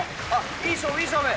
いい勝負いい勝負！